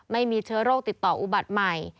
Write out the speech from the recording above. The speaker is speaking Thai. ไม่มีเชื้อโรคติดต่ออุบัติใหม่